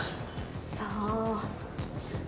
さあ。